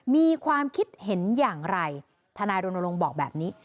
มีความคิดเห็นอย่างไรทนายรณรงค์บอกแบบนี้